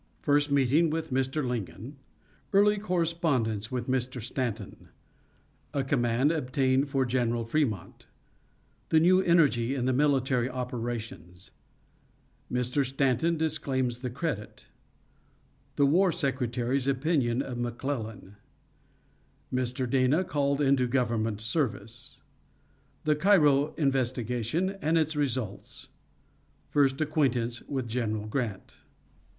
First meeting with Mr. Lincoln Early correspondence with Mr. Stanton A command obtained for General Frémont The new energy in the military operations Mr. Stanton disclaims the credit The War Secretary's opinion of McClellan Mr. Dana called into Government service The Cairo investigation and its results First acquaintance with General Grant.